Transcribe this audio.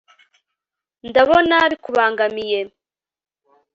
ndabona bikubangamiye